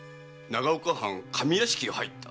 長岡藩上屋敷へ入った？